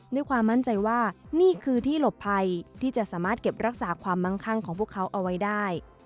ด้วยความมั่นใจว่านี่คือที่หลบภัยที่จะสามารถเก็บรักษาความมั่งคั่งของพวกเขาเอาไว้ได้